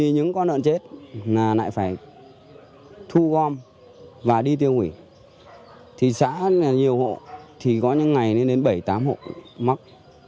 những con lợn chết lại phải thu gom và đi tiêu hủy thì xã nhiều hộ thì có những ngày lên đến bảy mươi tám hộ mắc